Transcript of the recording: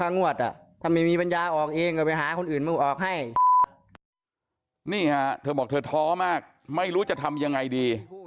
นี่ค่ะเธอบอกเธอท้อมากไม่รู้จะทำยังไงดี